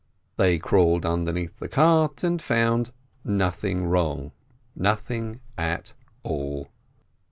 They crawled underneath the cart, and found nothing wrong, nothing at all.